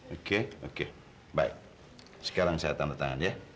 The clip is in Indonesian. oke oke baik sekarang saya tanda tangan ya